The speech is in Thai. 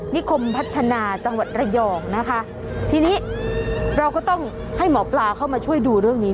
นิคมพัฒนาจังหวัดระยองนะคะทีนี้เราก็ต้องให้หมอปลาเข้ามาช่วยดูเรื่องนี้